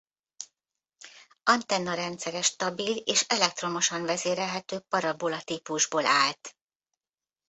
Antenna rendszere stabil és elektromosan vezérelhető parabola típusból állt.